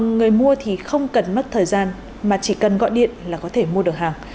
người mua thì không cần mất thời gian mà chỉ cần gọi điện là có thể mua được hàng